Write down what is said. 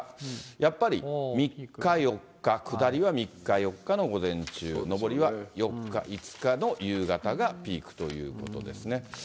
やっぱり３日、４日、下りは３日、４日の午前中、上りは４日、５日の夕方がピークということですね。